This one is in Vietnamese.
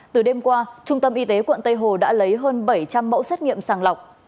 từ đêm qua trung tâm y tế quận tây hồ đã lấy hơn bảy trăm linh mẫu xét nghiệm sàng lọc